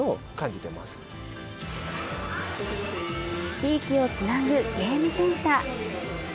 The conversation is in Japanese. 地域をつなぐゲームセンター。